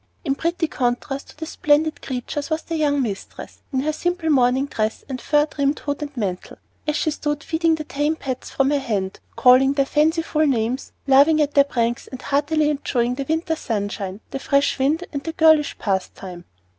In pretty contrast to the splendid creatures was their young mistress, in her simple morning dress and fur trimmed hood and mantle, as she stood feeding the tame pets from her hand, calling their fanciful names, laughing at their pranks, and heartily enjoying the winter sunshine, the fresh wind, and the girlish pastime.